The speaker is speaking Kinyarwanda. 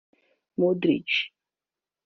Modric